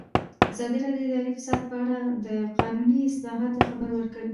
ازادي راډیو د اداري فساد په اړه د قانوني اصلاحاتو خبر ورکړی.